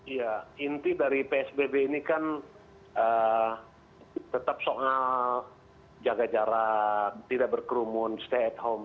iya inti dari psbb ini kan tetap soal jaga jarak tidak berkerumun stay at home